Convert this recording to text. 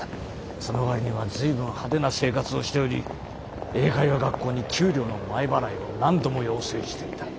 その割には随分派手な生活をしており英会話学校に給料の前払いを何度も要請していた。